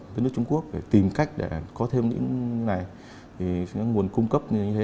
đến nước trung quốc để tìm cách để có thêm những này